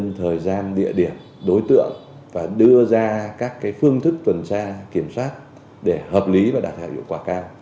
nên nhân thời gian địa điểm đối tượng và đưa ra các cái phương thức tuần tra kiểm soát để hợp lý và đạt hợp dụng quả cao